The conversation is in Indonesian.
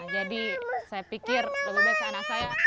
jadi saya pikir lebih baik anak saya